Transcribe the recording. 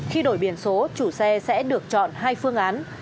khi đổi biển số chủ xe sẽ được chọn hai phương án